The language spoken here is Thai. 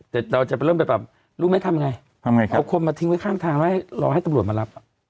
แต่เราจะเริ่มไปแบบรู้ไหมทำยังไงปกครองมาทิ้งไว้ข้างทางรอให้ตำรวจมารับ